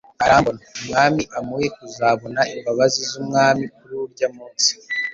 arambona. Umwami amuhe kuzabona imbabazi z’Umwami kuri urya munsi.”